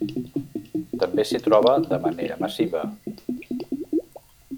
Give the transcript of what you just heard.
També s'hi troba de manera massiva.